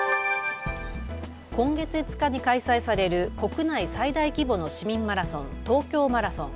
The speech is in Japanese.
今月５日に開催される国内最大規模の市民マラソン、東京マラソン。